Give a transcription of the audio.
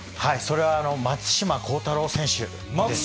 松島幸太朗選手。